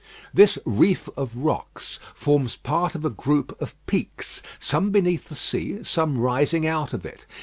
This reef of rocks forms part of a group of peaks, some beneath the sea, some rising out of it.